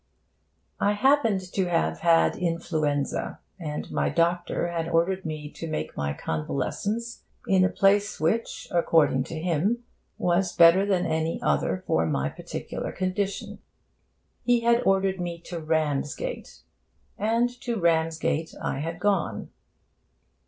I happened to have had influenza, and my doctor had ordered me to make my convalescence in a place which, according to him, was better than any other for my particular condition. He had ordered me to Ramsgate, and to Ramsgate I had gone.